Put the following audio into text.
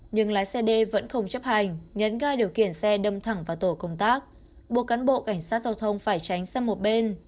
nhưng lái xe đê vẫn không chấp hành nhấn gai điều khiển xe đâm thẳng vào tổ công tác buộc cán bộ cảnh sát giao thông phải tránh sang một bên